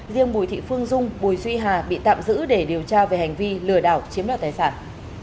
riêng bùi thị phương dung bùi duy hà bị tạm giữ để điều tra về hành vi lừa đảo chiếm đoạt tài sản